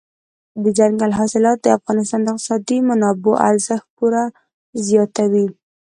دځنګل حاصلات د افغانستان د اقتصادي منابعو ارزښت پوره زیاتوي.